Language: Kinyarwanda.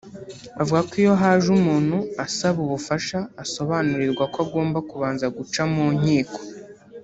avuga ko iyo haje umuntu asaba ubufasha asobanurirwa ko agomba kubanza guca mu nkiko